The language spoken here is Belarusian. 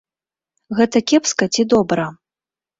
Гэта кепска ці добра?